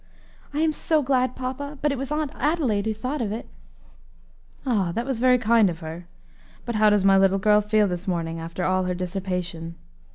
"I am so glad, papa, but it was Aunt Adelaide who thought of it." "Ah! that was very kind of her. But how does my little girl feel this morning, after all her dissipation?"